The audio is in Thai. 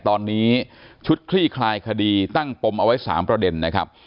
ตอนนี้ชุดคลี่คลายคดีตั้งปมเอาไว้๓ประเด็นนะครับ